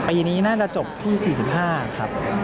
ปีนี้น่าจะจบที่๔๕ครับ